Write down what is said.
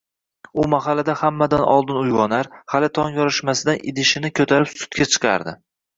U mahallada hammadan oldin uyg`onar, hali tong yorishmasidan idishini ko`tarib sutga chiqardi